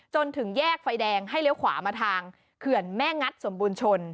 จนถึงแยกไฟแดงให้เลี้ยวขวามาทางเขื่อนแม่งัดสมบูรณชน